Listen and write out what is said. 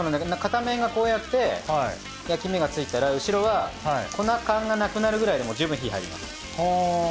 片面がこうやって焼き目がついたら後ろは粉感がなくなるくらいで十分火入ります。